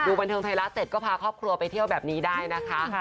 บันเทิงไทยรัฐเสร็จก็พาครอบครัวไปเที่ยวแบบนี้ได้นะคะ